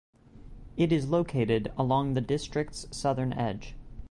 It is located along the district's southern edge.